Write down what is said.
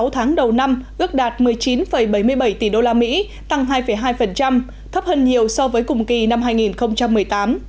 sáu tháng đầu năm ước đạt một mươi chín bảy mươi bảy tỷ usd tăng hai hai thấp hơn nhiều so với cùng kỳ năm hai nghìn một mươi tám